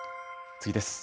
次です。